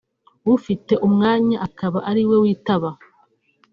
ufite umwanya akaba ari we witaba